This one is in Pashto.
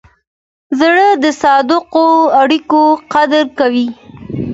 زړه د صادقو اړیکو قدر کوي.